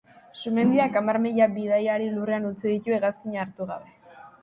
Sumendiak hamar mila bidaiari lurrean utzi ditu hegazkina hartu gabe.